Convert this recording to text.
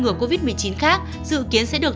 ngừa covid một mươi chín khác dự kiến sẽ được